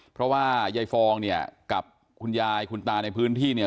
เพราะว่ายายฟองเนี่ยกับคุณยายคุณตาในพื้นที่เนี่ย